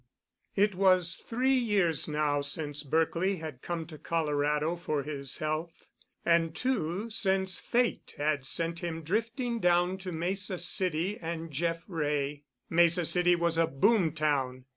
It was three years now since Berkely had come to Colorado for his health, and two since Fate had sent him drifting down to Mesa City and Jeff Wray. Mesa City was a "boom" town.